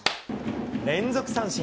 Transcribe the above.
連続三振。